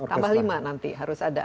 tambah lima nanti harus ada